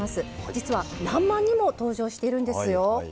実は「らんまん」にも登場してるんですよ。